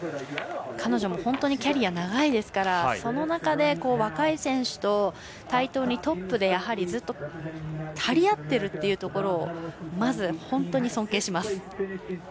彼女も本当にキャリアが長いですからその中で若い選手と対等にトップでずっと張り合ってるというところまず、本当に尊敬します。